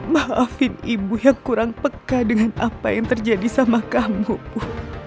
maafin ibu yang kurang peka dengan apa yang terjadi sama kamu